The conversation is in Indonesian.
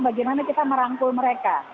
bagaimana kita merangkul mereka